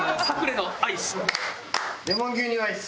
レモン牛乳アイス。